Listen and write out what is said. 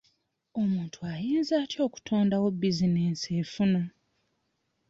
Omuntu ayinza atya okutondawo bizinensi efuna?